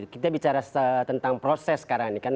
kita bicara tentang proses sekarang ini kan